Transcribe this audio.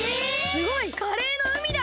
すごい！カレーのうみだ！